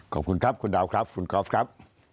ขอบคุณครับคุณดาวครับคุณกอล์ฟครับ